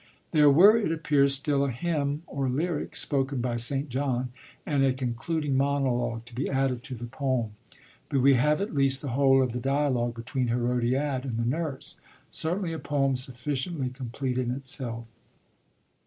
There were, it appears, still a hymn or lyric spoken by St. John and a concluding monologue, to be added to the poem; but we have at least the whole of the dialogue between Hérodiade and the Nurse, certainly a poem sufficiently complete in itself.